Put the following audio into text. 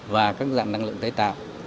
và các dạng năng lượng tái tạo